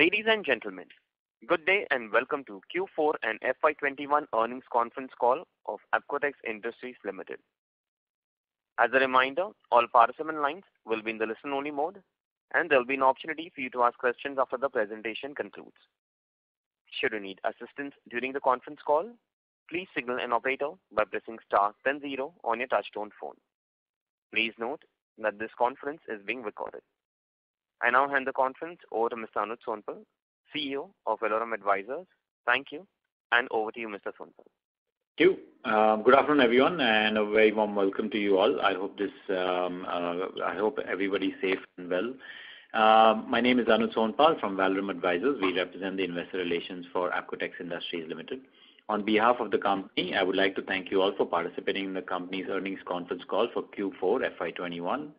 Ladies and gentlemen, good day, and welcome to Q4 and FY 2021 earnings conference call of Apcotex Industries Limited. As a reminder, all participant lines will be in the listen-only mode, and there'll be an opportunity for you to ask questions after the presentation concludes. Should you need assistance during the conference call, please signal an operator by pressing star then zero on your touchtone phone. Please note that this conference is being recorded. I now hand the conference over to Mr. Anuj Sonpal, CEO of Valorem Advisors. Thank you, and over to you, Mr. Sonpal. Thank you. Good afternoon, everyone, and a very warm welcome to you all. I hope everybody's safe and well. My name is Anuj Sonpal from Valorem Advisors. We represent the investor relations for Apcotex Industries Limited. On behalf of the company, I would like to thank you all for participating in the company's earnings conference call for Q4 FY 2021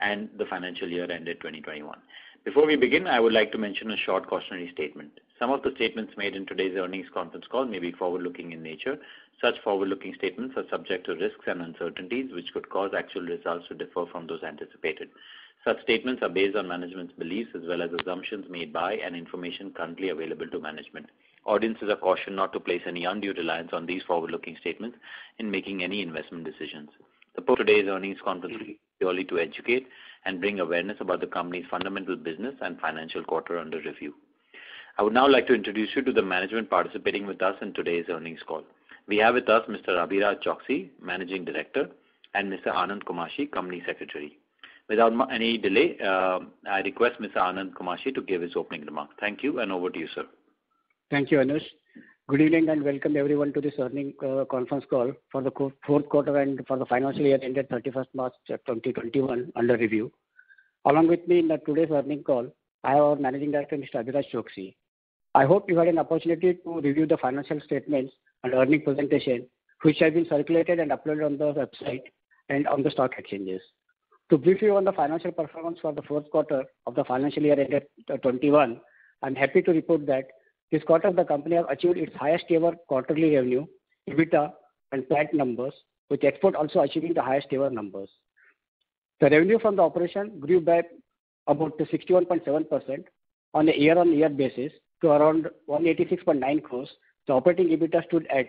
and the financial year ended 2021. Before we begin, I would like to mention a short cautionary statement. Some of the statements made in today's earnings conference call may be forward-looking in nature. Such forward-looking statements are subject to risks and uncertainties, which could cause actual results to differ from those anticipated. Such statements are based on management's beliefs as well as assumptions made by and information currently available to management. Audiences are cautioned not to place any undue reliance on these forward-looking statements in making any investment decisions. The purpose of today's earnings conference is purely to educate and bring awareness about the company's fundamental business and financial quarter under review. I would now like to introduce you to the management participating with us in today's earnings call. We have with us Mr. Abhiraj Choksey, Managing Director, and Mr. Anand Kumashi, Company Secretary. Without any delay, I request Mr. Anand Kumashi to give his opening remarks. Thank you, and over to you, sir. Thank you, Anuj. Good evening, and welcome everyone to this earnings conference call for the fourth quarter and for the financial year ended 31st March 2021 under review. Along with me in today's earnings call, I have our Managing Director, Mr. Abhiraj Choksey. I hope you had an opportunity to review the financial statements and earnings presentation, which have been circulated and uploaded on the website and on the stock exchanges. To brief you on the financial performance for the fourth quarter of the financial year ended FY 2021, I'm happy to report that this quarter the company has achieved its highest-ever quarterly revenue, EBITDA, and PAT numbers, with export also achieving the highest-ever numbers. The revenue from the operation grew by about 61.7% on a year-on-year basis to around 186.9 crores. The operating EBITDA stood at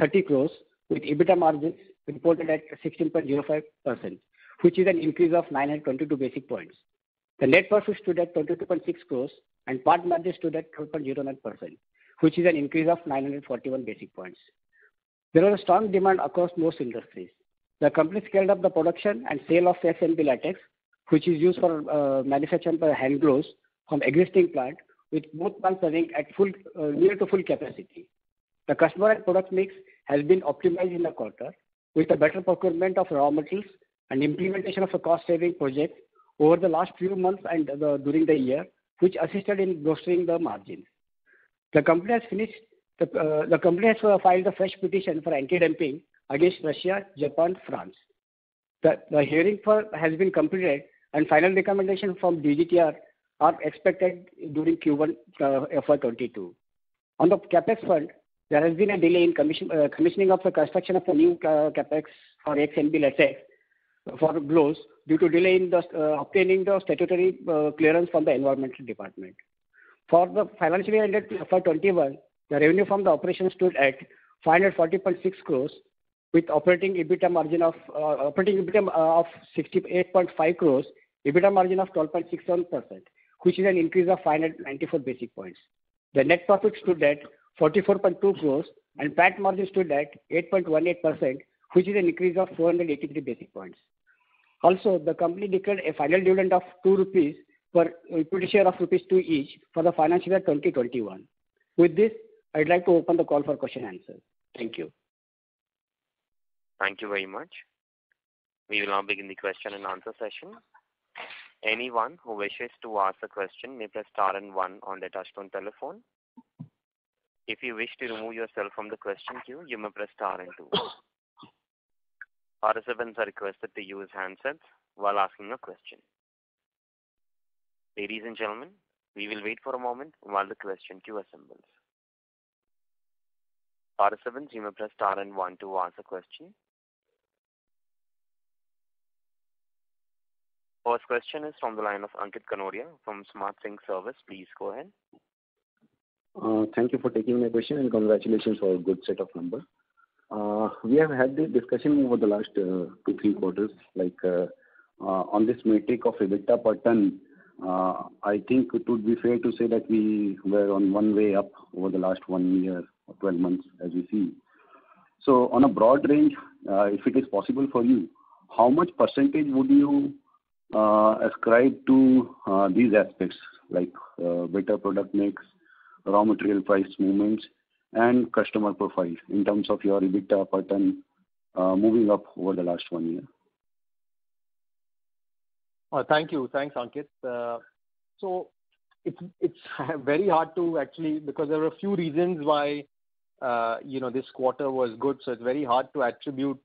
30 crores with EBITDA margins reported at 16.05%, which is an increase of 922 basis points. The net profit stood at 22.6 crores, and PAT margin stood at 12.09%, which is an increase of 941 basis points. There was strong demand across most industries. The company scaled up the production and sale of XNB latex, which is used for manufacturing hand gloves from existing plant, with both plants running at near to full capacity. The customer and product mix has been optimized in the quarter with the better procurement of raw materials and implementation of a cost-saving project over the last few months and during the year, which assisted in boosting the margin. The company has filed a fresh petition for anti-dumping against Russia, Japan, France. The hearing has been completed, and final recommendations from DGTR are expected during Q1 FY 2022. On the CapEx front, there has been a delay in commissioning of the construction of a new CapEx for XNB latex for gloves due to delay in obtaining the statutory clearance from the environmental department. For the financial year ended FY 2021, the revenue from the operation stood at 540.6 crores, operating EBITDA of 68.5 crores, EBITDA margin of 12.61%, which is an increase of 594 basis points. The net profit stood at 44.2 crores, and PAT margin stood at 8.18%, which is an increase of 483 basis points. The company declared a final dividend of INR 2 for equity share of INR 2 each for the financial year 2021. With this, I'd like to open the call for question and answers. Thank you. Thank you very much. We will now begin the question and answer session. First question is from the line of Ankit Kanodia from Smart Sync Services. Please go ahead. Thank you for taking my question, and congratulations for a good set of numbers. We have had this discussion over the last two, three quarters. On this metric of EBITDA per ton, I think it would be fair to say that we were on one way up over the last one year or 12 months as we see. On a broad range, if it is possible for you, how much percentage would you ascribe to these aspects, like better product mix, raw material price movements, and customer profile in terms of your EBITDA per ton moving up over the last one year? Thank you. Thanks, Ankit. Because there are a few reasons why this quarter was good, it's very hard to attribute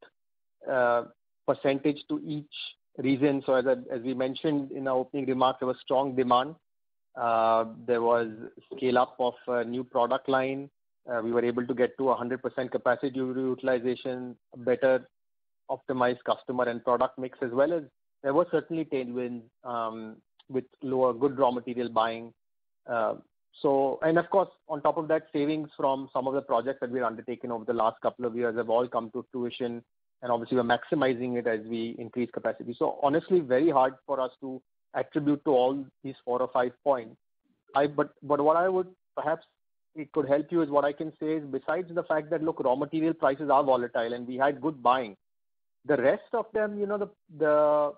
a percentage to each reason. As we mentioned in our opening remarks, there was strong demand. There was scale-up of a new product line. We were able to get to 100% capacity utilization better Optimized customer and product mix, as well as there were certainly tailwinds with lower good raw material buying. Of course, on top of that, savings from some of the projects that we've undertaken over the last couple of years have all come to fruition, and obviously we're maximizing it as we increase capacity. Honestly, very hard for us to attribute to all these four or five points. What I would perhaps, it could help you, is what I can say is besides the fact that, look, raw material prices are volatile, and we had good buying. The rest of them, the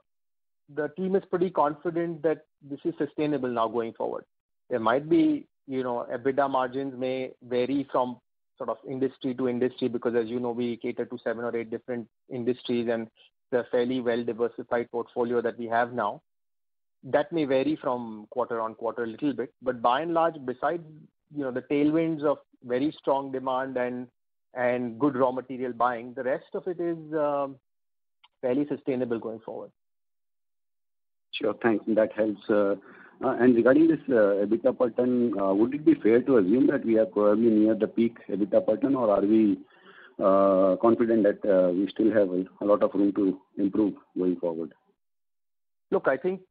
team is pretty confident that this is sustainable now going forward. There might be EBITDA margins may vary from industry to industry because as you know, we cater to seven or eight different industries and the fairly well-diversified portfolio that we have now. That may vary from quarter on quarter a little bit. By and large, besides the tailwinds of very strong demand and good raw material buying, the rest of it is fairly sustainable going forward. Sure. Thanks. That helps. Regarding this EBITDA per ton, would it be fair to assume that we are probably near the peak EBITDA per ton, or are we confident that we still have a lot of room to improve going forward? I think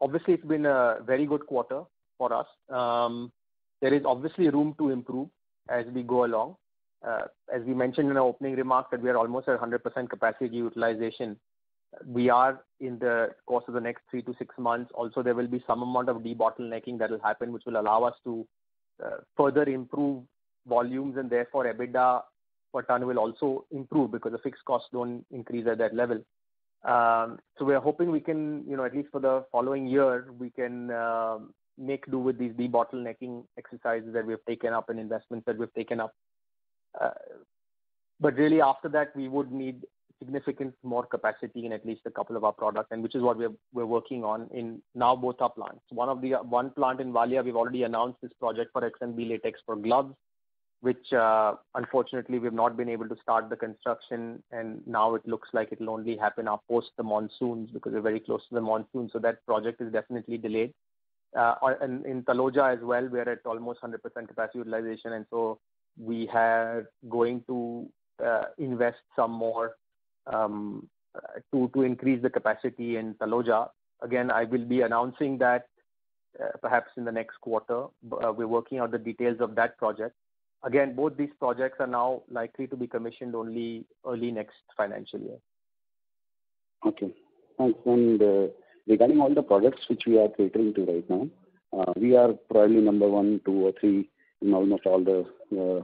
obviously it's been a very good quarter for us. There is obviously room to improve as we go along. As we mentioned in our opening remarks, that we are almost at 100% capacity utilization. We are in the course of the next three to six months, also, there will be some amount of debottlenecking that will happen, which will allow us to further improve volumes and therefore EBITDA per ton will also improve because the fixed costs don't increase at that level. We are hoping we can, at least for the following year, we can make do with these debottlenecking exercises that we have taken up and investments that we've taken up. Really after that, we would need significant more capacity in at least a couple of our products, and which is what we're working on in now both our plants. One plant in Valia, we've already announced this project for XNB latex for gloves, which, unfortunately, we've not been able to start the construction, and now it looks like it'll only happen post the monsoons because we're very close to the monsoons. That project is definitely delayed. In Taloja as well, we're at almost 100% capacity utilization, we are going to invest some more, to increase the capacity in Taloja. I will be announcing that perhaps in the next quarter. We're working out the details of that project. Both these projects are now likely to be commissioned only early next financial year. Okay. Thanks. Regarding all the products which we are catering to right now, we are probably number one, two, or three in almost all the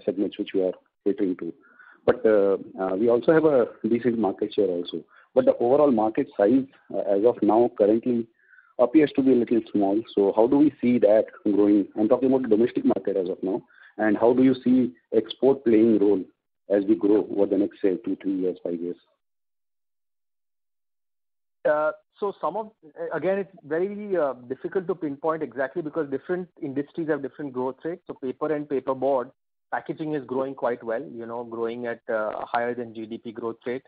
segments which we are catering to. We also have a decent market share also. The overall market size as of now currently appears to be a little small. How do we see that growing? I'm talking about domestic market as of now. How do you see export playing a role as we grow over the next say, two, three years, five years? Again, it's very difficult to pinpoint exactly because different industries have different growth rates. Paper and paper board, packaging is growing quite well, growing at higher than GDP growth rate.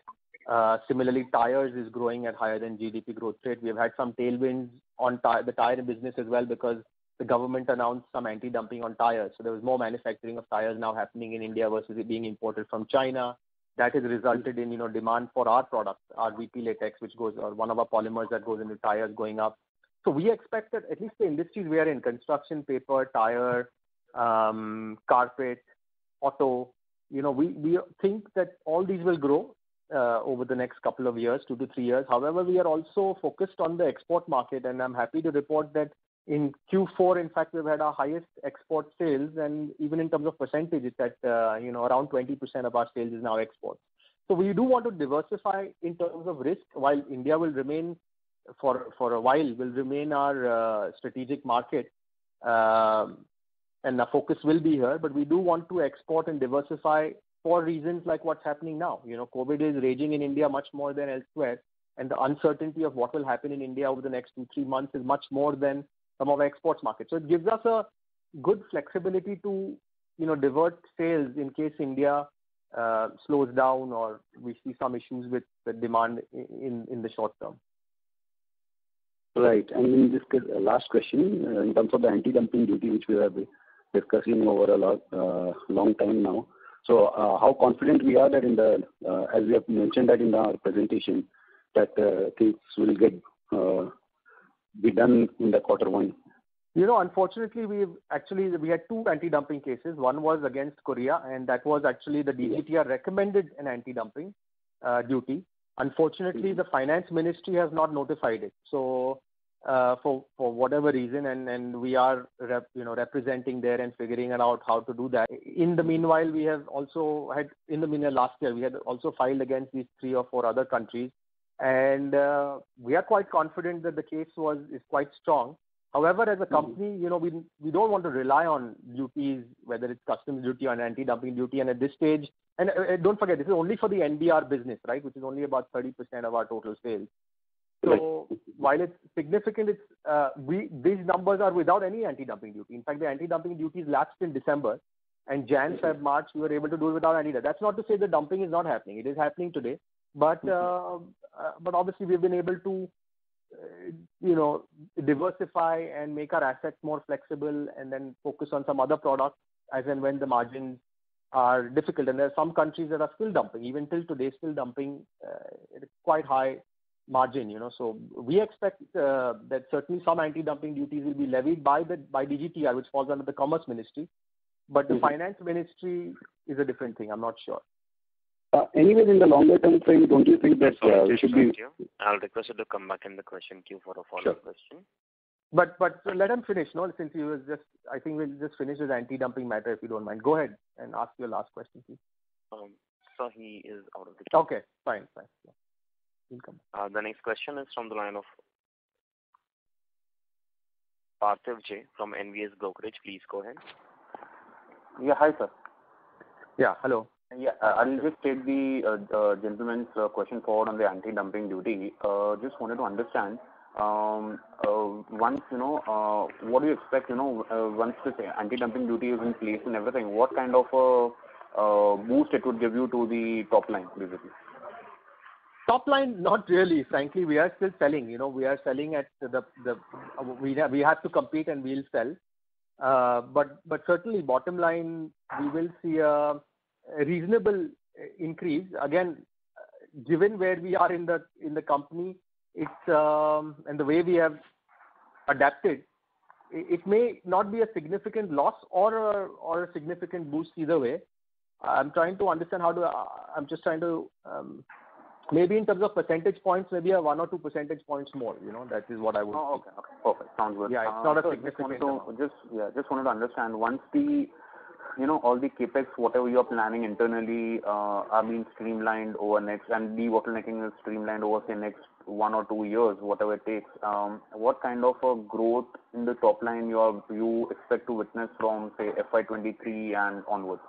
Similarly, tires is growing at higher than GDP growth rate. We've had some tailwinds on the tire business as well because the government announced some anti-dumping on tires. There was more manufacturing of tires now happening in India versus it being imported from China. That has resulted in demand for our product, our VP latex, or one of our polymers that goes into tires going up. We expect that at least the industries we are in, construction, paper, tire, carpet, auto, we think that all these will grow over the next couple of years, two to three years. However, we are also focused on the export market, and I'm happy to report that in Q4, in fact, we've had our highest export sales, and even in terms of percentages that around 20% of our sales is now export. We do want to diversify in terms of risk, while India will remain for a while will remain our strategic market. And the focus will be here, but we do want to export and diversify for reasons like what's happening now. COVID is raging in India much more than elsewhere, and the uncertainty of what will happen in India over the next two, three months is much more than some of our exports markets. So it gives us a good flexibility to divert sales in case India slows down or we see some issues with the demand in the short term. Right. This last question in terms of the anti-dumping duty, which we have been discussing over a long time now. How confident we are that in the, as we have mentioned that in our presentation, that things will be done in the quarter one? Unfortunately, we had two anti-dumping cases. One was against Korea, that was actually the DGTR recommended an anti-dumping duty. Unfortunately, the Finance Ministry has not notified it. For whatever reason, we are representing there and figuring out how to do that. In the meanwhile, last year, we had also filed against these three or four other countries. We are quite confident that the case is quite strong. As a company, we don't want to rely on duties, whether it's customs duty or an anti-dumping duty. Don't forget, this is only for the NBR business, which is only about 30% of our total sales. Right. While it's significant, these numbers are without any anti-dumping duty. In fact, the anti-dumping duties lapsed in December, and Jan, Feb, March, we were able to do it without any. That's not to say the dumping is not happening. It is happening today. Obviously, we've been able to diversify and make our assets more flexible, and then focus on some other products as and when the margins are difficult. There are some countries that are still dumping. Even till today, still dumping at a quite high margin. We expect that certainly some anti-dumping duties will be levied by DGTR, which falls under the Commerce Ministry. The Finance Ministry is a different thing. I'm not sure. Anyway, in the longer-term frame, don't you think that there should be? Sir, just one sec. I'll request you to come back in the question queue for a follow-up question. Sure. Let him finish. Since he was, I think we'll just finish his anti-dumping matter, if you don't mind. Go ahead and ask your last question, please. Sir, he is out of the queue. Okay, fine. Welcome. The next question is from the line of Parthiv J. from NVS Brokerage. Please go ahead. Yeah. Hi, sir. Yeah, hello. Yeah. I'll just take the gentleman's question forward on the anti-dumping duty. Just wanted to understand, what do you expect once, let's say, anti-dumping duty is in place and everything, what kind of a boost it would give you to the top line, basically? Top line, not really. Frankly, we are still selling. We have to compete, and we'll sell. Certainly, bottom line, we will see a reasonable increase. Again, given where we are in the company, and the way we have adapted, it may not be a significant loss or a significant boost either way. Maybe in terms of percentage points, maybe a one or two percentage points more. That is what I would say. Oh, okay. Perfect. Sounds good. Yeah. It's not a significant amount. Just wanted to understand. Once all the CapEx, whatever you are planning internally, are being streamlined over next, and de-bottlenecking is streamlined over, say, next one or two years, whatever it takes, what kind of a growth in the top line you expect to witness from, say, FY 2023 and onwards?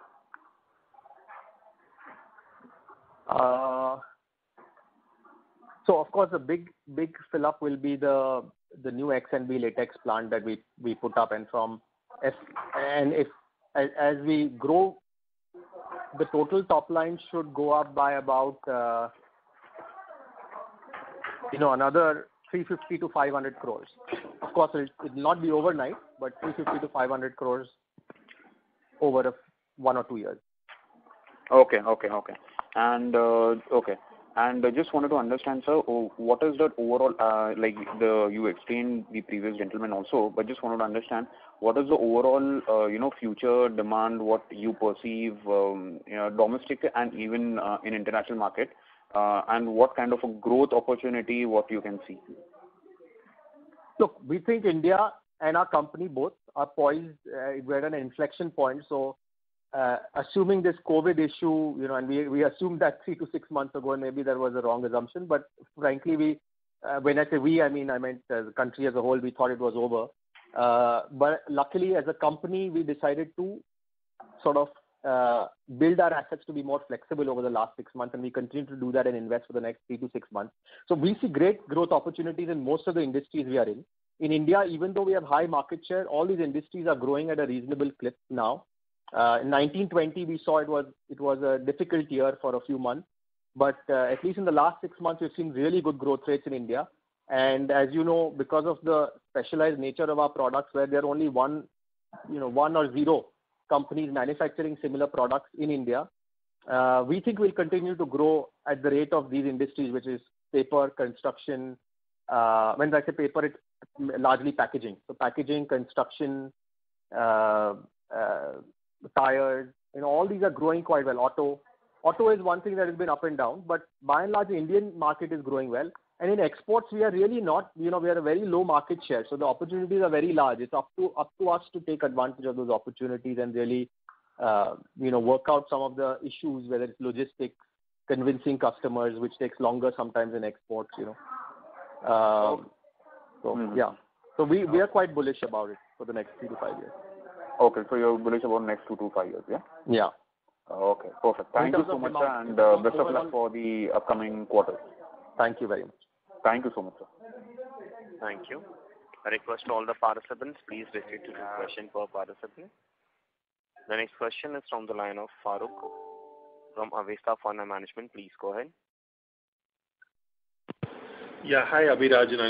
The big fillp will be the new XNB Latex plant that we put up. As we grow, the total top line should go up by about another 350 crores-500 crores. It'll not be overnight, but 350 crores-500 crores over one or two years. Okay. I just wanted to understand, sir. You explained the previous gentleman also, but just wanted to understand, what is the overall future demand, what you perceive, domestic and even in international market, and what kind of a growth opportunity, what you can see? Look, we think India and our company both are poised. We're at an inflection point. Assuming this COVID issue, and we assumed that three to six months ago, and maybe that was a wrong assumption. Frankly, when I say we, I meant as a country, as a whole, we thought it was over. Luckily, as a company, we decided to sort of build our assets to be more flexible over the last six months, and we continue to do that and invest for the next three to six months. We see great growth opportunities in most of the industries we are in. In India, even though we have high market share, all these industries are growing at a reasonable clip now. In 1920, we saw it was a difficult year for a few months. At least in the last six months, we've seen really good growth rates in India. As you know, because of the specialized nature of our products, where there are only one or zero companies manufacturing similar products in India, we think we'll continue to grow at the rate of these industries, which is paper, construction. When I say paper, it's largely packaging. Packaging, construction, tires, and all these are growing quite well. Auto. Auto is one thing that has been up and down, by and large, the Indian market is growing well. In exports, we are at a very low market share, the opportunities are very large. It's up to us to take advantage of those opportunities and really work out some of the issues, whether it's logistics, convincing customers, which takes longer sometimes in exports. Okay. We are quite bullish about it for the next three to five years. Okay. You're bullish about next two to five years, yeah? Yeah. Okay, perfect. Thank you so much. In terms of demand- Best of luck for the upcoming quarters. Thank you very much. Thank you so much, sir. Thank you. A request to all the participants, please restrict your question per participant. The next question is from the line of Farokh from Avestha Fund Management. Please go ahead. Yeah. Hi, Abhiraj and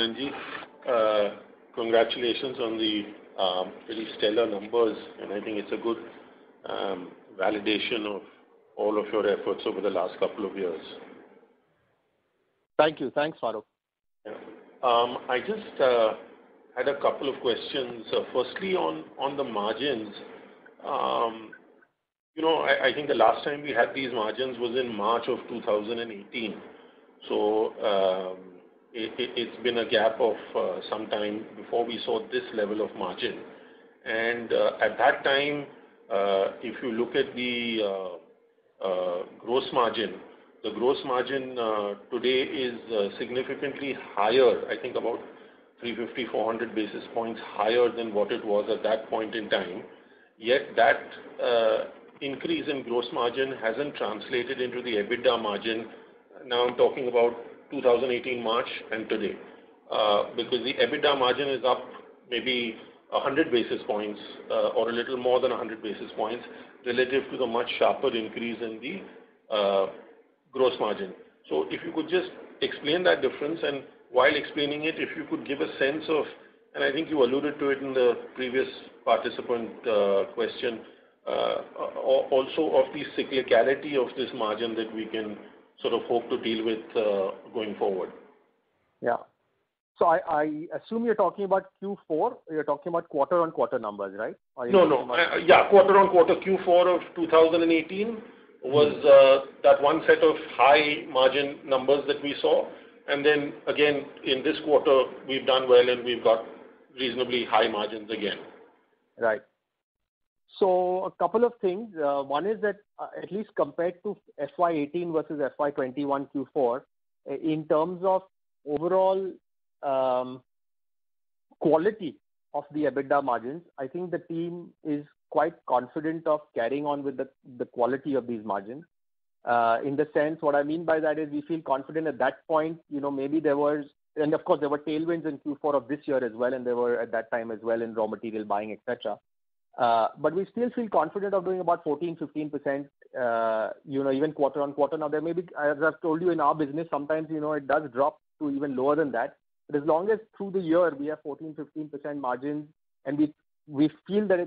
Anand. Congratulations on the really stellar numbers, and I think it's a good validation of all of your efforts over the last couple of years. Thank you. Thanks, Farokh. Yeah. I just had a couple of questions. Firstly, on the margins. I think the last time we had these margins was in March of 2018. It's been a gap of some time before we saw this level of margin. At that time, if you look at the gross margin, the gross margin today is significantly higher, I think about 350, 400 basis points higher than what it was at that point in time. Yet that increase in gross margin hasn't translated into the EBITDA margin. Now I'm talking about 2018, March and today. The EBITDA margin is up maybe 100 basis points or a little more than 100 basis points relative to the much sharper increase in the gross margin. If you could just explain that difference, and while explaining it, if you could give a sense of, and I think you alluded to it in the previous participant question, also of the cyclicality of this margin that we can sort of hope to deal with going forward. Yeah. I assume you're talking about Q4, you're talking about quarter-on-quarter numbers, right? No, yeah, quarter-on-quarter Q4 of 2018 was that one set of high margin numbers that we saw. Again, in this quarter, we've done well, and we've got reasonably high margins again. Right. A couple of things. One is that, at least compared to FY 2018 versus FY 2021 Q4, in terms of overall quality of the EBITDA margins, I think the team is quite confident of carrying on with the quality of these margins. In the sense, what I mean by that is we feel confident at that point, maybe there was. Of course, there were tailwinds in Q4 of this year as well, and there were at that time as well in raw material buying, et cetera. We still feel confident of doing about 14%-15%, even quarter on quarter. There may be, as I've told you, in our business, sometimes, it does drop to even lower than that. As long as through the year, we have 14%, 15% margins, and we feel that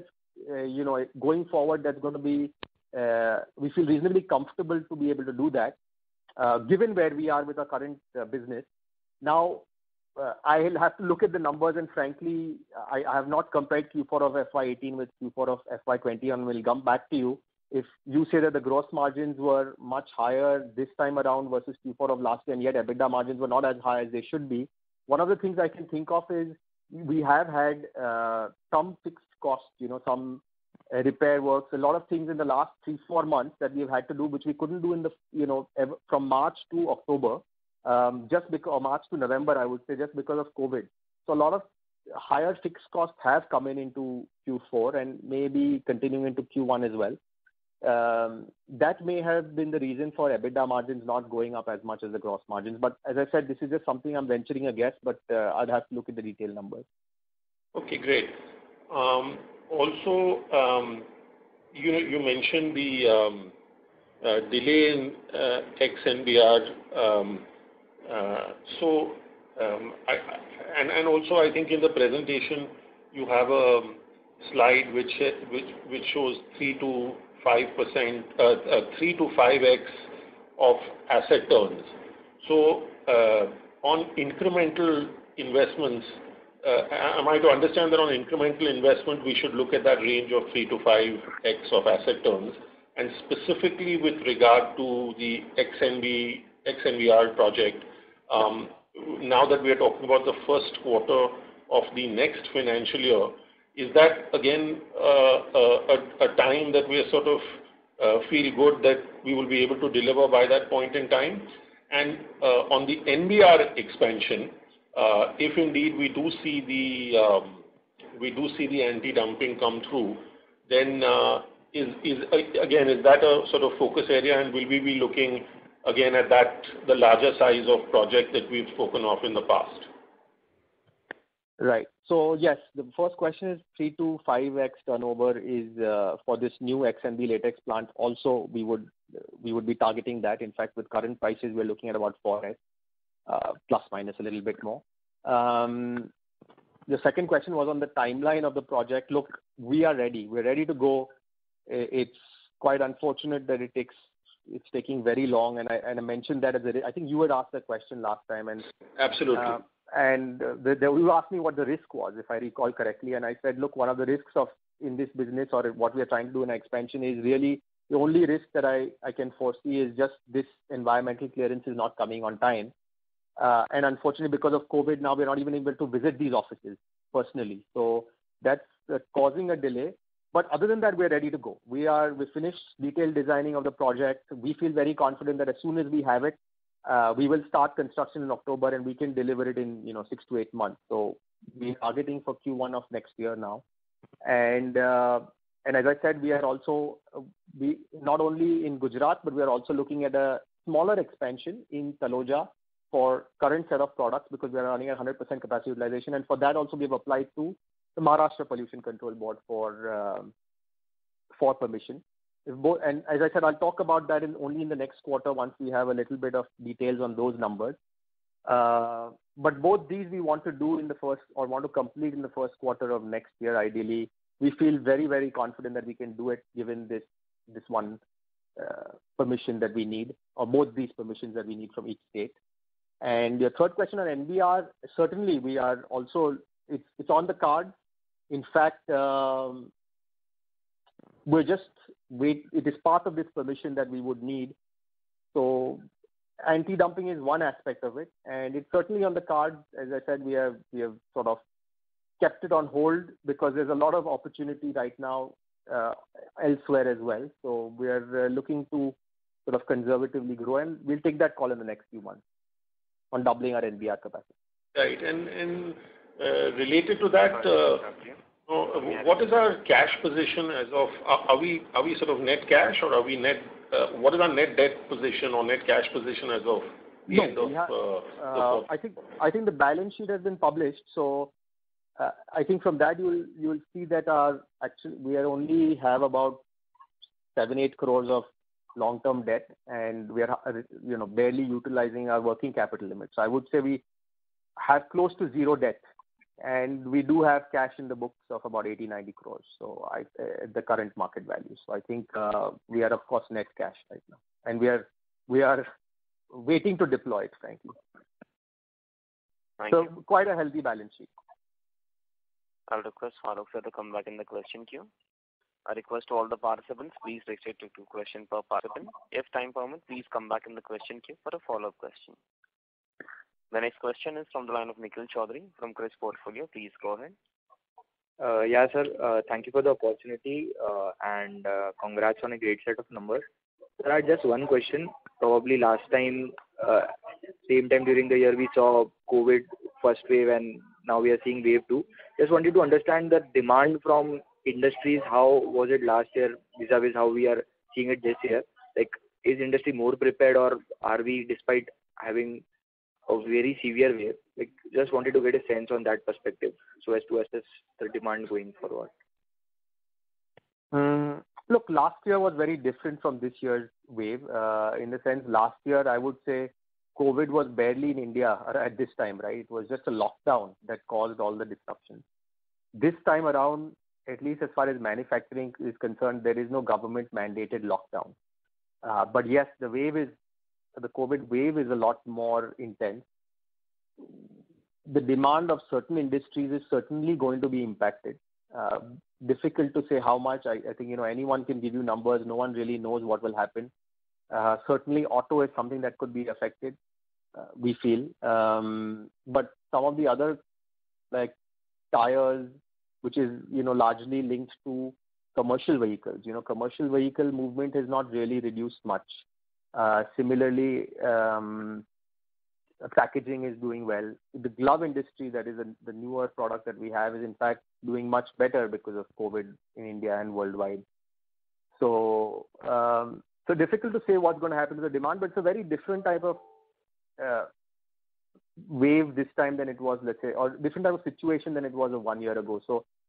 going forward, we feel reasonably comfortable to be able to do that, given where we are with our current business. Now, I'll have to look at the numbers, and frankly, I have not compared Q4 of FY 2018 with Q4 of FY 2020, and we'll come back to you. If you say that the gross margins were much higher this time around versus Q4 of last year, and yet EBITDA margins were not as high as they should be, one of the things I can think of is we have had some fixed costs, some repair works, a lot of things in the last three, four months that we've had to do, which we couldn't do from March to October, or March to November, I would say, just because of COVID. A lot of higher fixed costs have come in into Q4 and may be continuing into Q1 as well. That may have been the reason for EBITDA margins not going up as much as the gross margins. As I said, this is just something I am venturing a guess, but I would have to look at the detailed numbers. Okay, great. Also, you mentioned the delay in XNBR. Also, I think in the presentation, you have a slide which shows 3x-5X of asset turns. On incremental investments, am I to understand that on incremental investment, we should look at that range of 3x-5X of asset turns? Specifically with regard to the XNBR project, now that we are talking about the first quarter of the next financial year, is that again a time that we sort of feel good that we will be able to deliver by that point in time? On the NBR expansion, if indeed we do see the anti-dumping come through, then again, is that a sort of focus area, and will we be looking again at the larger size of project that we've spoken of in the past? Right. Yes, the first question is 3x-5x turnover is for this new XNB latex plant. We would be targeting that. In fact, with current prices, we're looking at about 4x ± a little bit more. The second question was on the timeline of the project. Look, we are ready. We're ready to go. It's quite unfortunate that it's taking very long, and I mentioned that at the I think you had asked that question last time. Absolutely You asked me what the risk was, if I recall correctly, and I said, look, one of the risks in this business or what we're trying to do in expansion is really the only risk that I can foresee is just this environmental clearance is not coming on time. Unfortunately, because of COVID, now we're not even able to visit these offices personally. That's causing a delay. Other than that, we are ready to go. We finished detailed designing of the project. We feel very confident that as soon as we have it, we will start construction in October, and we can deliver it in six to eight months. We're targeting for Q1 of next year now. As I said, we are also not only in Gujarat, but we are also looking at a smaller expansion in Taloja for current set of products because we are running at 100% capacity utilization. For that also, we have applied to the Maharashtra Pollution Control Board for permission. As I said, I'll talk about that only in the next quarter once we have a little bit of details on those numbers. Both these we want to do in the first or want to complete in the first quarter of next year, ideally. We feel very confident that we can do it given this one permission that we need, or both these permissions that we need from each state. Your third question on NBR, certainly it's on the card. In fact, it is part of this permission that we would need. Anti-dumping is one aspect of it, and it's certainly on the card. As I said, we have sort of kept it on hold because there's a lot of opportunity right now elsewhere as well. We are looking to sort of conservatively grow, and we'll take that call in the next few months on doubling our NBR capacity. Right. Related to that, what is our net debt position or net cash position as of the end of the fourth quarter? I think the balance sheet has been published, I think from that you will see that we only have about 7, 8 crores of long-term debt, and we are barely utilizing our working capital limits. I would say we have close to zero debt, and we do have cash in the books of about 80, 90 crores, at the current market value. I think we are, of course, net cash right now, and we are waiting to deploy it, frankly. Thank you. Quite a healthy balance sheet. I request Farokh sir to come back in the question queue. I request to all the participants, please restrict to two questions per participant. If time permits, please come back in the question queue for a follow-up question. The next question is from the line of Nikhil Chawdhary from KRIIS Portfolio. Please go ahead. Yeah, sir. Thank you for the opportunity, and congrats on a great set of numbers. Sir, I have just one question. Probably last time, same time during the year, we saw COVID first wave, and now we are seeing wave two. Just wanted to understand the demand from industries, how was it last year vis-a-vis how we are seeing it this year? Is industry more prepared? Just wanted to get a sense on that perspective so as to assess the demand going forward. Last year was very different from this year's wave. In the sense last year, I would say COVID was barely in India at this time, right? It was just a lockdown that caused all the disruption. This time around, at least as far as manufacturing is concerned, there is no government-mandated lockdown. Yes, the COVID wave is a lot more intense. The demand of certain industries is certainly going to be impacted. Difficult to say how much. I think anyone can give you numbers. No one really knows what will happen. Certainly, auto is something that could be affected, we feel. Some of the other, like tires, which is largely linked to commercial vehicles. Commercial vehicle movement has not really reduced much. Similarly, packaging is doing well. The glove industry, that is the newer product that we have, is in fact doing much better because of COVID in India and worldwide. Difficult to say what's going to happen to the demand, but it's a very different type of wave this time than it was, let's say, or different type of situation than it was one year ago.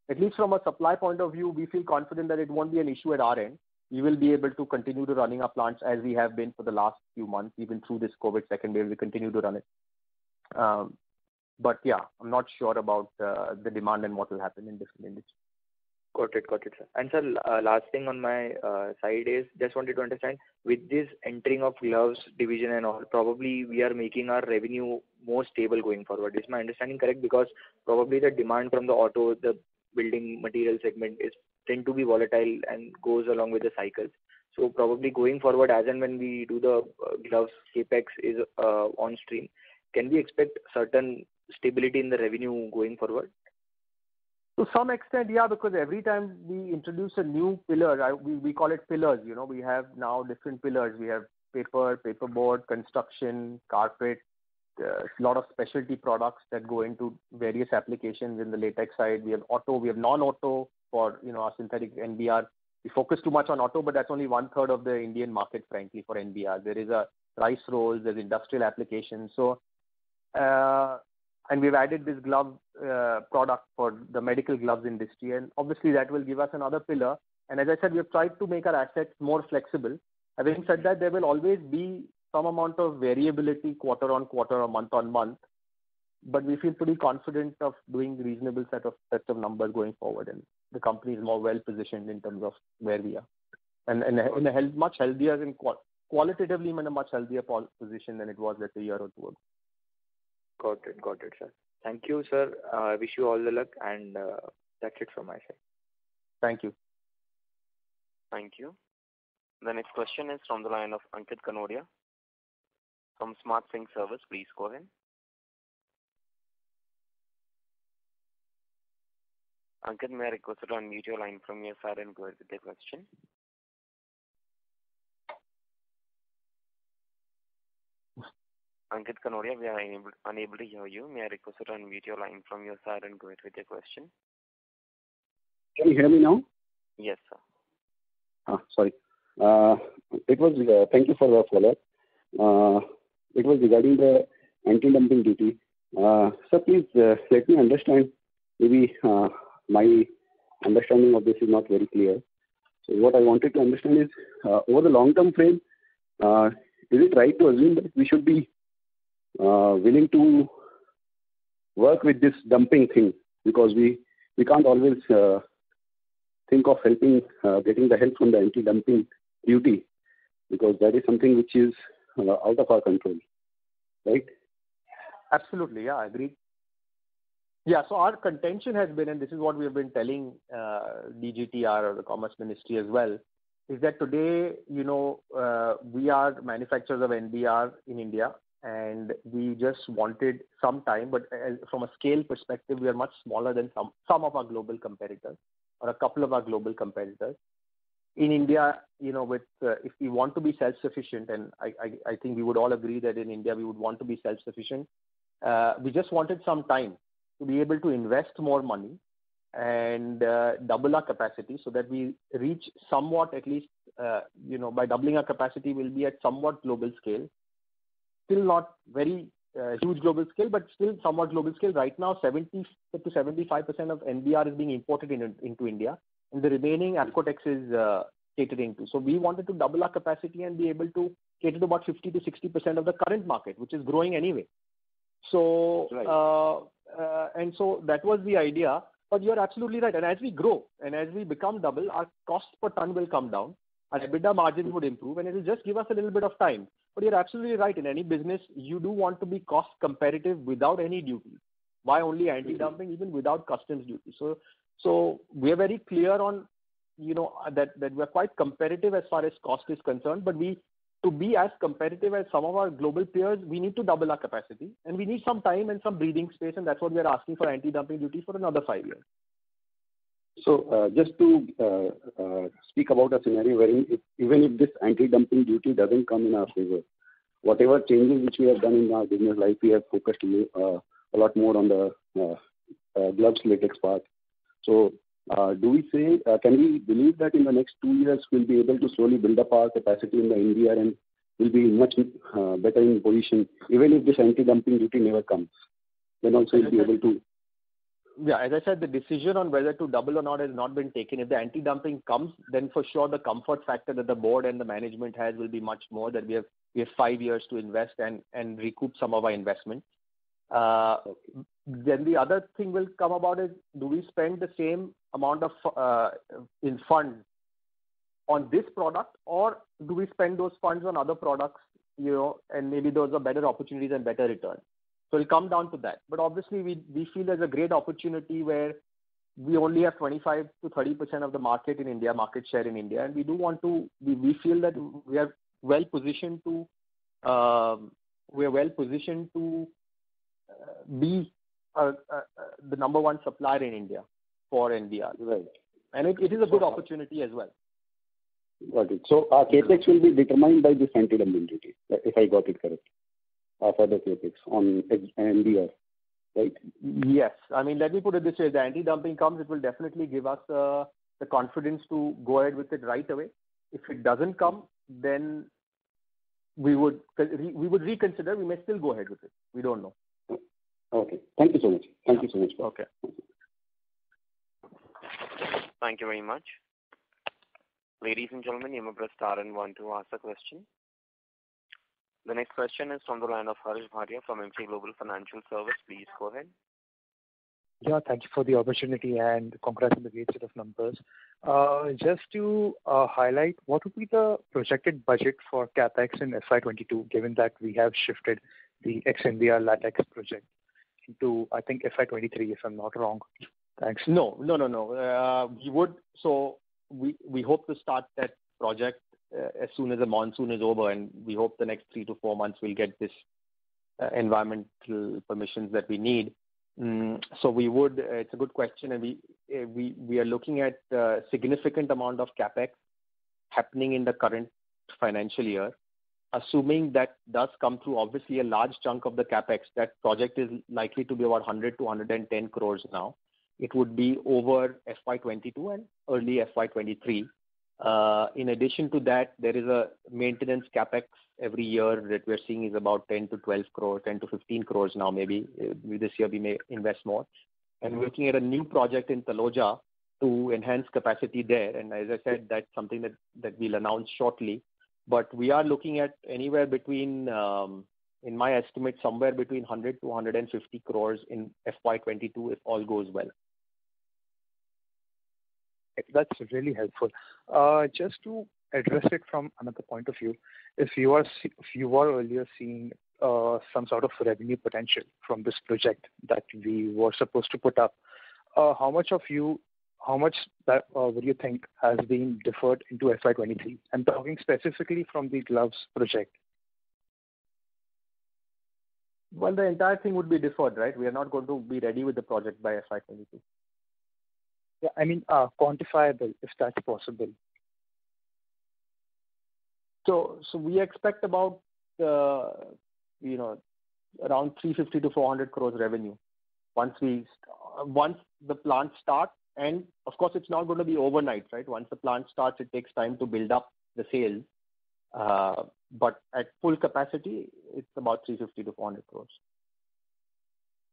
At least from a supply point of view, we feel confident that it won't be an issue at our end. We will be able to continue to running our plants as we have been for the last few months. Even through this COVID second wave, we continue to run it. Yeah, I'm not sure about the demand and what will happen in different industries. Got it, sir. Sir, last thing on my side is just wanted to understand with this entering of gloves division and all, probably we are making our revenue more stable going forward. Is my understanding correct? Probably the demand from the auto, the building material segment tend to be volatile and goes along with the cycles. Probably going forward as and when we do the gloves, CapEx is on stream. Can we expect certain stability in the revenue going forward? To some extent, yeah, because every time we introduce a new pillar, we call it pillars. We have now different pillars. We have paper board, construction, carpet, a lot of specialty products that go into various applications in the latex side. We have auto, we have non-auto for our synthetic NBR. We focus too much on auto, but that's only 1/3 of the Indian market, frankly, for NBR. There is rice rolls, there's industrial applications. We've added this glove product for the medical gloves industry, and obviously that will give us another pillar. As I said, we have tried to make our assets more flexible. Having said that, there will always be some amount of variability quarter on quarter or month on month, but we feel pretty confident of doing reasonable set of numbers going forward, and the company is more well-positioned in terms of where we are. Qualitatively, we're in a much healthier position than it was, let's say a year or two ago. Got it, sir. Thank you, sir. I wish you all the luck and that's it from my side. Thank you. Thank you. The next question is from the line of Ankit Kanodia from Smart Sync Services. Please go ahead. Ankit, may I request you to unmute your line from your side and go ahead with your question. Ankit Kanodia, we are unable to hear you. May I request you to unmute your line from your side and go ahead with your question. Can you hear me now? Yes, sir. Sorry. Thank you for the follow-up. It was regarding the anti-dumping duty. Sir, please let me understand. Maybe my understanding of this is not very clear. What I wanted to understand is, over the long-term frame, is it right to assume that we should be willing to work with this dumping thing because we can't always think of getting the help from the anti-dumping duty because that is something which is out of our control, right? Absolutely. I agree. Our contention has been, and this is what we have been telling DGTR or the Commerce Ministry as well, is that today we are manufacturers of NBR in India, and we just wanted some time, but from a scale perspective, we are much smaller than some of our global competitors or a couple of our global competitors. In India, if we want to be self-sufficient, and I think we would all agree that in India we would want to be self-sufficient. We just wanted some time to be able to invest more money and double our capacity so that we reach somewhat, at least by doubling our capacity, we'll be at somewhat global scale. Still not very huge global scale, but still somewhat global scale. Right now, 70%-75% of NBR is being imported into India, and the remaining Apcotex is catering to. We wanted to double our capacity and be able to cater to about 50%-60% of the current market, which is growing anyway. Right. That was the idea. You're absolutely right. As we grow, as we become double, our cost per ton will come down, EBITDA margin would improve, and it'll just give us a little bit of time. You're absolutely right. In any business, you do want to be cost competitive without any duty. Why only anti-dumping? Even without customs duty. We are very clear on that we're quite competitive as far as cost is concerned, but to be as competitive as some of our global peers, we need to double our capacity, and we need some time and some breathing space, and that's what we are asking for anti-dumping duty for another five years. Just to speak about a scenario wherein even if this anti-dumping duty doesn't come in our favor, whatever changes which we have done in our business life, we have focused a lot more on the gloves latex part. Can we believe that in the next two years, we'll be able to slowly build up our capacity in the NBR and we'll be in much better position, even if this anti-dumping duty never comes, then also we'll be able to As I said, the decision on whether to double or not has not been taken. If the anti-dumping comes, then for sure the comfort factor that the board and the management has will be much more that we have five years to invest and recoup some of our investment. Okay. The other thing will come about is, do we spend the same amount in funds on this product, or do we spend those funds on other products, and maybe those are better opportunities and better return. It'll come down to that. Obviously, we feel there's a great opportunity where we only have 25%-30% of the market share in India. We feel that we are well-positioned to be the number one supplier in India for NBR. Right. It is a good opportunity as well. Got it. Our CapEx will be determined by this anti-dumping duty, if I got it correct. Our further CapEx on NBR, right? Yes. Let me put it this way. If the anti-dumping comes, it will definitely give us the confidence to go ahead with it right away. If it doesn't come, then we would reconsider. We may still go ahead with it. We don't know. Okay. Thank you so much. Okay. Thank you very much. Ladies and gentlemen, you may press star one to ask a question. The next question is on the line of Harsh Bhatia from Emkay Global Financial Services. Please go ahead. Yeah, thank you for the opportunity, and congrats on the great set of numbers. Just to highlight, what would be the projected budget for CapEx in FY 2022, given that we have shifted the XNBR latex project into, I think, FY 2023, if I'm not wrong. Thanks. No. We hope to start that project as soon as the monsoon is over, and we hope the next three to four months we'll get this environmental permissions that we need. It's a good question. We are looking at a significant amount of CapEx happening in the current financial year. Assuming that does come through, obviously a large chunk of the CapEx, that project is likely to be about 100-110 crores now. It would be over FY 2022 and early FY23. In addition to that, there is a maintenance CapEx every year that we're seeing is about 10-15 crores now, maybe. This year we may invest more. We're looking at a new project in Taloja to enhance capacity there. As I said, that's something that we'll announce shortly. We are looking at, in my estimate, somewhere between 100 crore-150 crore in FY 2022 if all goes well. That's really helpful. Just to address it from another point of view. If you were earlier seeing some sort of revenue potential from this project that we were supposed to put up, how much do you think has been deferred into FY 2023? I'm talking specifically from the gloves project. Well, the entire thing would be deferred, right? We are not going to be ready with the project by FY 2022. Yeah, I mean quantifiable, if that's possible. We expect about around 350 crores-400 crores revenue once the plant starts. Of course, it's not going to be overnight. Once the plant starts, it takes time to build up the sale. At full capacity, it's about 350 crores-400 crores.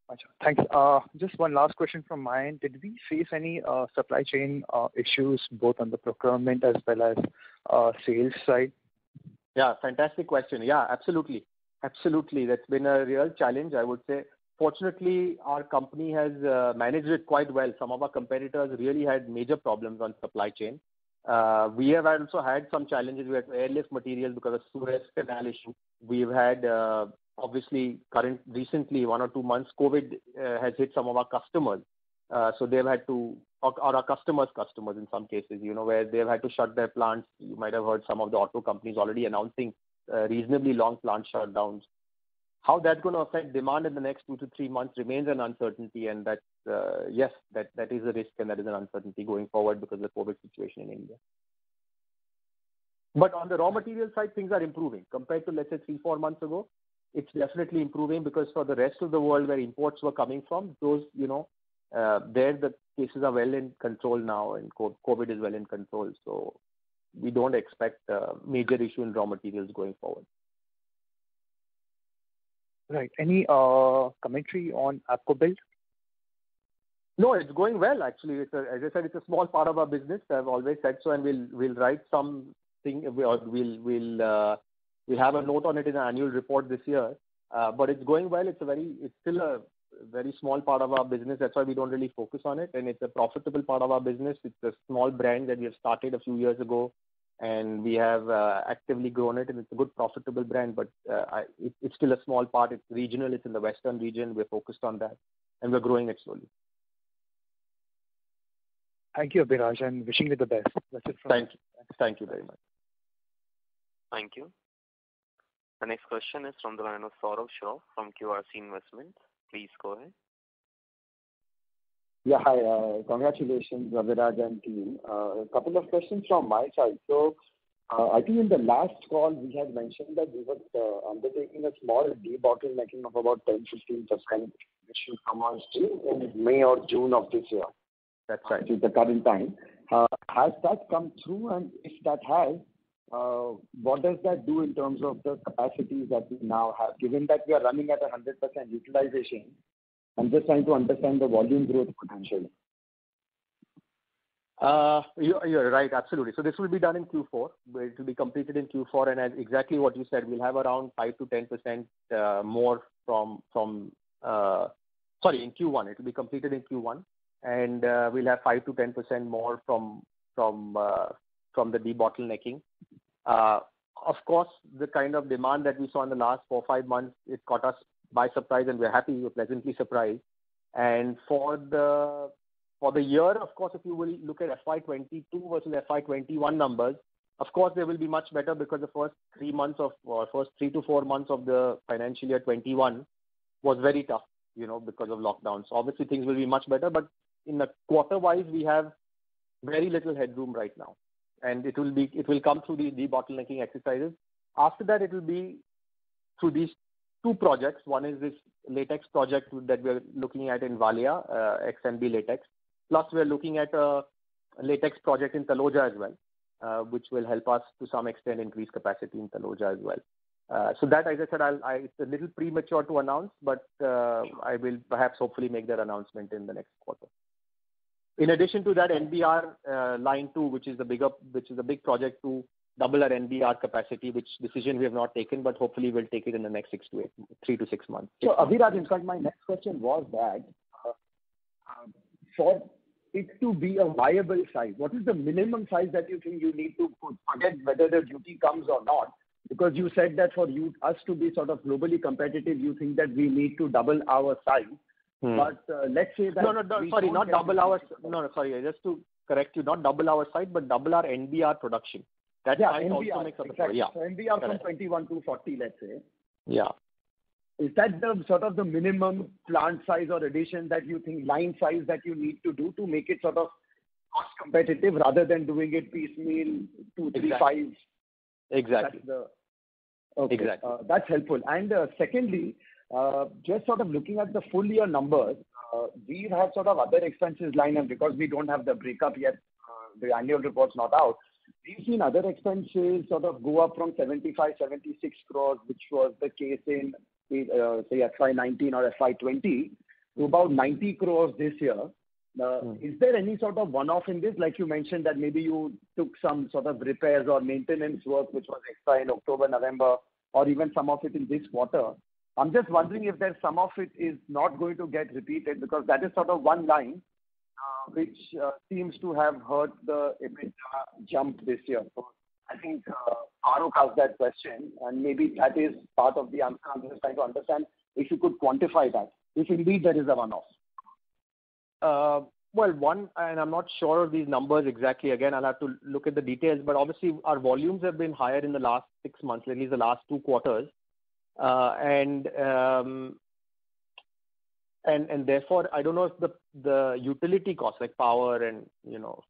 Got you. Thanks. Just one last question from my end. Did we face any supply chain issues, both on the procurement as well as sales side? Yeah, fantastic question. Yeah, absolutely. That's been a real challenge, I would say. Fortunately, our company has managed it quite well. Some of our competitors really had major problems on supply chain. We have also had some challenges. We had delayed material because of Suez Canal issue. We've had, obviously recently, one or two months, COVID has hit some of our customers or our customer's customers in some cases, where they've had to shut their plants. You might have heard some of the auto companies already announcing reasonably long plant shutdowns. How that's going to affect demand in the next two to three months remains an uncertainty. Yes, that is a risk and that is an uncertainty going forward because of the COVID situation in India. On the raw material side, things are improving. Compared to, let's say, three, four months ago, it's definitely improving because for the rest of the world where imports were coming from, there the cases are well in control now and COVID is well in control. We don't expect a major issue in raw materials going forward. Right. Any commentary on ApcoBuild? It's going well, actually. As I said, it's a small part of our business. I've always said so, and we'll have a note on it in our annual report this year. It's going well. It's still a very small part of our business. That's why we don't really focus on it. It's a profitable part of our business. It's a small brand that we have started a few years ago, and we have actively grown it, and it's a good profitable brand, but it's still a small part. It's regional. It's in the western region. We're focused on that, and we're growing it slowly. Thank you, Abhiraj, and wishing you the best. That's it from me. Thank you. Thank you very much. Thank you. The next question is from the line of Saurabh Shroff from QRC Investments. Please go ahead. Yeah. Hi. Congratulations, Abhiraj and team. A couple of questions from my side. I think in the last call, we had mentioned that we were undertaking a small debottlenecking of about 10%-15% which should come on stream in May or June of this year. That's right. Which is the current time. Has that come through? If that has, what does that do in terms of the capacities that you now have, given that you're running at 100% utilization? I'm just trying to understand the volume growth potentially. You're right, absolutely. This will be done in Q4, where it will be completed in Q4. As exactly what you said, we'll have around 5%-10% more. Sorry, in Q1. It will be completed in Q1, and we'll have 5%-10% more from the debottlenecking. Of course, the kind of demand that we saw in the last four, five months, it caught us by surprise and we're happy. We're pleasantly surprised. For the year, of course, if you will look at FY 2022 versus FY 2021 numbers, of course, they will be much better because the first three to four months of the financial year 2021 was very tough because of lockdowns. Obviously, things will be much better. Quarter-wise, we have very little headroom right now, and it will come through these debottlenecking exercises. After that, it will be through these two projects. One is this latex project that we're looking at in Valia, XNB Latex. We're looking at a latex project in Taloja as well, which will help us to some extent increase capacity in Taloja as well. That, as I said, it's a little premature to announce, but I will perhaps hopefully make that announcement in the next quarter. In addition to that, NBR Line 2, which is the big project to double our NBR capacity, which decision we have not taken, but hopefully we'll take it in the next three to six months. Abhiraj, in fact, my next question was that for it to be a viable size, what is the minimum size that you think you need, forget whether the duty comes or not. You said that for us to be sort of globally competitive, you think that we need to double our size. But let's say that- No, sorry, just to correct you, not double our size, but double our NBR production. Yeah, NBR. Yeah. NBR from 21 to 40, let's say. Yeah. Is that the minimum plant size or addition that you think, line size that you need to do to make it cost competitive rather than doing it piecemeal, two, three, five? Exactly. Okay. Exactly. That's helpful. Secondly, just sort of looking at the full year numbers, we have sort of other expenses line item because we don't have the breakup yet. The annual report's not out. We've seen other expenses sort of go up from 75-76 crores, which was the case in, say, FY 2019 or FY 2020, to about 90 crores this year. Is there any sort of one-off in this? Like you mentioned that maybe you took some sort of repairs or maintenance work which was extra in October, November, or even some of it in this quarter. I'm just wondering if some of it is not going to get repeated because that is sort of one line which seems to have hurt the EBITDA jump this year. I think Farokh asked that question, and maybe that is part of the answer I'm just trying to understand, if you could quantify that, if indeed that is a one-off. Well, one, and I am not sure of these numbers exactly. Again, I will have to look at the details, but obviously our volumes have been higher in the last six months, at least the last two quarters. Therefore, I don't know if the utility costs, like power and